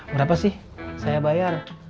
berapa sih saya bayar